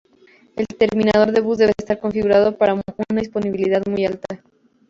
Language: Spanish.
El terminador de bus debe estar configurado para una disponibilidad muy alta.